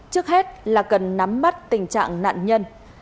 trước hết là cần nắm mắt tình trạng nạn nhân